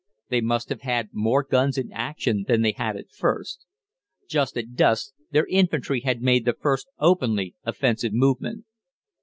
They must have had more guns in action than they had at first. Just at dusk their infantry had made the first openly offensive movement.